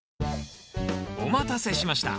お待たせしました！